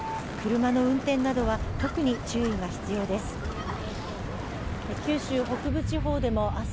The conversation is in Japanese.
車の運転などは特に注意が必要です。